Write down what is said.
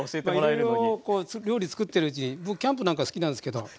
まあいろいろ料理作ってるうちに僕キャンプなんか好きなんですけど。